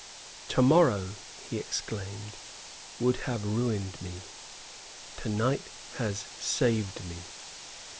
"To morrow," he exclaimed, "would have ruined me. To night has saved me."